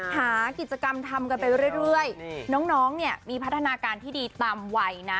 หากิจกรรมทำกันไปเรื่อยน้องเนี่ยมีพัฒนาการที่ดีตามวัยนะ